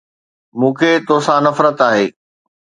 مون کي توسان نفرت آهي!